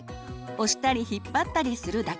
押したり引っ張ったりするだけ。